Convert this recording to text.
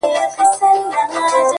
• د نامحرمو دلالانو غدۍ,